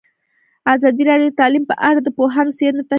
ازادي راډیو د تعلیم په اړه د پوهانو څېړنې تشریح کړې.